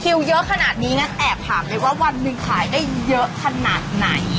เยอะขนาดนี้งั้นแอบถามเลยว่าวันหนึ่งขายได้เยอะขนาดไหน